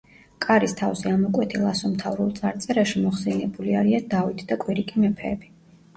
კარის თავზე ამოკვეთილ ასომთავრულ წარწერაში მოხსენიებული არიან დავით და კვირიკე მეფეები.